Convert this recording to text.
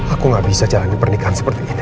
aku gak bisa jalani pernikahan seperti ini